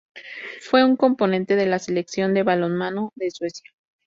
Fu un componente de la Selección de balonmano de Suecia.